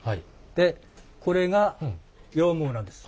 でこれが羊毛なんです。